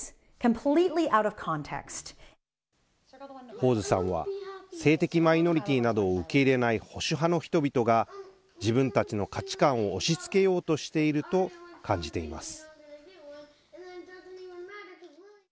ホーズさんは性的マイノリティーなどを受け入れない保守派の人々が自分たちの価値観を押し付けようとしていると感じています。